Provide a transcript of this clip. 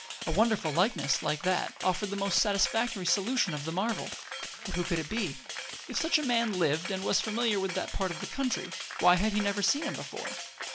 A wonderful likeness, like that, offered the most satisfactory solution of the marvel. But who could it be? If such a man lived, and was familiar with that part of the country, why had he never seen him before?